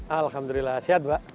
alhamdulillah sehat mbak